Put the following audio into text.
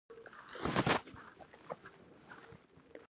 که باران وشي نو اوبه ورکول وځنډوم؟